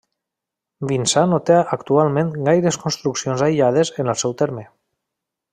Vinçà no té actualment gaires construccions aïllades en el seu terme.